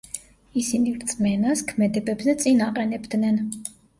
ისინი რწმენას ქმედებებზე წინ აყენებდნენ.